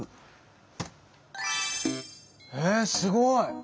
えっすごい！